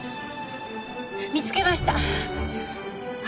見つけました。